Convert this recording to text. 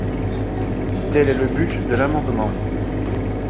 Tel est le but de l’amendement.